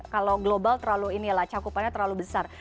kalau global terlalu ini lah cakupannya terlalu besar